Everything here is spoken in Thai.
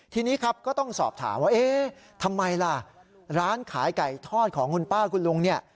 ทีนี้ครับก็ต้องสอบถามว่าเอ๊ะทำไมล่ะร้านขายไก่ทอดของคุณป้าคุณลุงเนี่ย